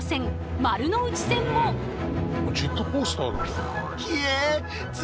ジェットコースターだ。